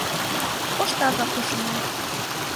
Ҡоштар ҙа ҡушы менән.